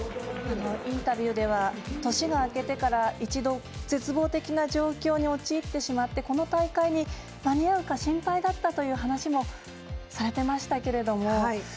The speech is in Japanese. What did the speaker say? インタビューでは年が明けてから一度、絶望的な状況に陥ってしまってこの大会に間に合うか心配だったという話もされていましたけれども。